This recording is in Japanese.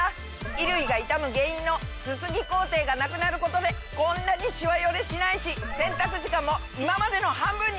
衣類が傷む原因のすすぎ工程がなくなることでこんなにシワヨレしないし洗濯時間も今までの半分に！